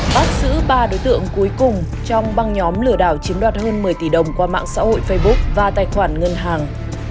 bắt giữ ba đối tượng cuối cùng trong băng nhóm lừa đảo chiếm đoạt hơn một mươi tỷ đồng qua mạng xã hội facebook và tài khoản ngân hàng